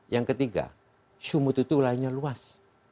yang ketiga sumut itu wilayahnya luas